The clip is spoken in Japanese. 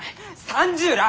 ３０らあ！